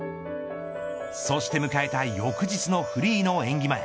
そして迎えた翌日のフリーの演技